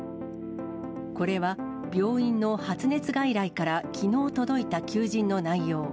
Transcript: これは、病院の発熱外来からきのう届いた求人の内容。